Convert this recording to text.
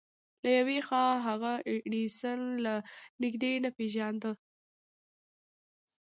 له يوې خوا هغه ايډېسن له نږدې نه پېژانده.